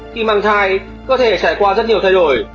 khi mang thai có thể trải qua rất nhiều thay đổi